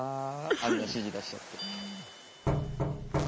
あんな指示出しちゃって。